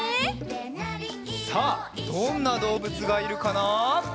さあどんなどうぶつがいるかな？